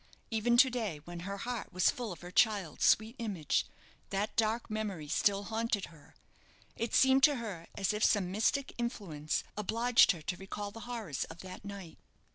Even to day, when her heart was full of her child's sweet image, that dark memory still haunted her. It seemed to her as if some mystic influence obliged her to recall the horrors of that night.